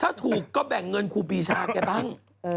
ถ้าถูกก็แบ่งเงินครูปีชาแกบ้าง